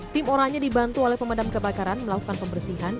tim oranya dibantu oleh pemadam kebakaran melakukan pembersihan